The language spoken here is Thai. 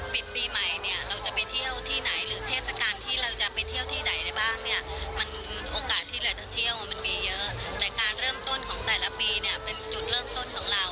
มันโอกาสที่เราจะเที่ยวมันมีเยอะแต่การเริ่มต้นของแต่ละปีเนี่ยเป็นจุดเริ่มต้นของเรา